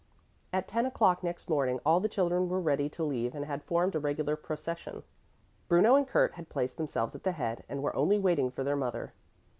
At ten o'clock next morning all the children were ready to leave and had formed a regular procession. Bruno and Kurt had placed themselves at the head and were only waiting for their mother.